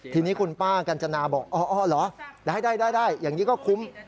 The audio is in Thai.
ทีนี้คุณป้ากัญจนาบอกอ๋อเหรอได้อย่างนี้ก็คุ้ม